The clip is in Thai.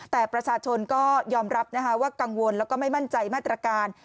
แต่ประชาชนก็ยอมรับนะคะว่ากังวลแล้วก็ไม่มั่นใจมาตรการ